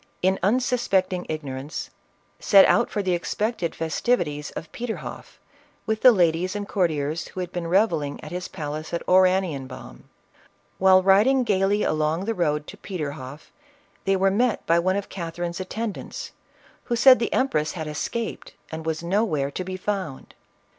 in unsuspecting ignorance, set out for the :ed festivities of Peterhoff, with the ladies and courtiers who had been revelling at his palace of Ora nienbaum. While riding gaily along the road to Pe terhofl", they were met by one of Catherine's attendants, who said the empress had escaped and was nowhere to be found.